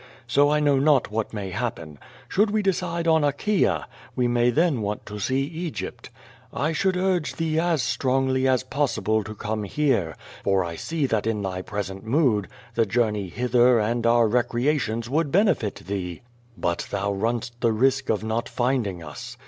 So I know not what may happen. Should we decide on Achaea, we may then want to see Egypt. I should urge thee as strongly as possible to come here, for I sec that in thy present mood the journey hither and our recreations wouhl benefit thee, but thou run'st the risk of not finding us.